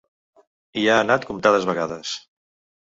Hi ha anat comptades vegades.